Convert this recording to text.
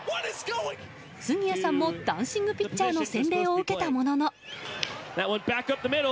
杉谷さんもダンシングピッチャーの洗礼を受けたものの。